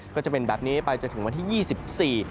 ก็จะเป็นแบบนี้ไปจนถึงวันที่๒๔